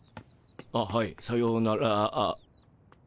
あっはいさようなら。